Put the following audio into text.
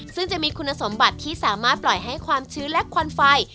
ซึ่งจะมีคุณสมบัติที่สามารถปล่อยให้ความชื้นและควันไฟ